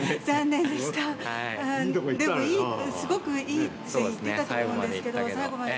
でもすごくいいって言ってたと思うんですけど。